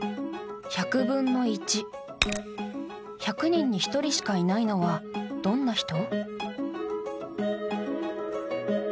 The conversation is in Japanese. １００人に１人しかいないのはどんな人？